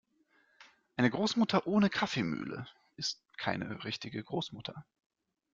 Eine Großmutter ohne Kaffeemühle ist keine richtige Großmutter.